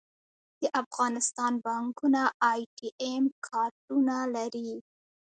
د افغانستان بانکونه اې ټي ایم کارډونه لري